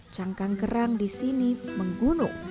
cangkang kerang di sini menggunung